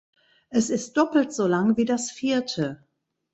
Es ist doppelt so lang wie das vierte.